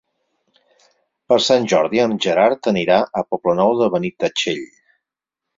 Per Sant Jordi en Gerard anirà al Poble Nou de Benitatxell.